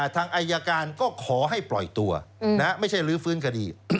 ทางอายการก็ขอให้ปล่อยตัวไม่ใช่ลื้อฟื้นคดี